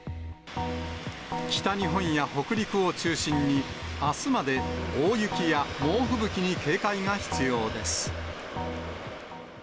北日本や北陸を中心にあすまで大雪や猛吹雪に警戒が必要です。